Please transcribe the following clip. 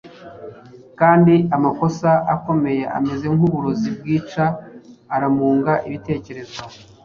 kandi amakosa akomeye ameze nk’uburozi bwica aramunga ibitekerezo